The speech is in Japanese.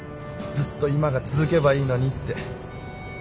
ずっと今が続けばいいのにって。